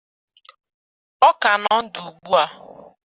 Ọ ka nọ ndụ ugbua